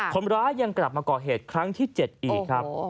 คนร้ายยังกลับมาก่อเหตุครั้งที่๗อีกครับ